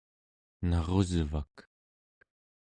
narusvak